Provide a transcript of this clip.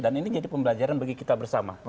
dan ini jadi pembelajaran bagi kita bersama